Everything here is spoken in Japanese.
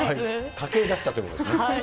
家系だったということですね。